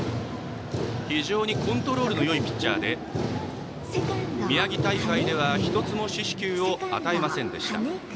非常にコントロールのよいピッチャーで宮城大会では１つも四死球を与えませんでした。